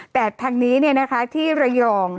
แต่ทางนี้ที่ระยอง